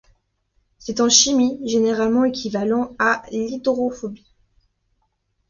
C'est en chimie généralement équivalent à l'hydrophobie.